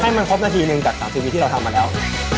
มันครบนาทีหนึ่งจาก๓ทีวีที่เราทำมาแล้ว